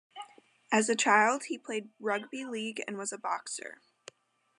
As a child he played rugby league and was a boxer.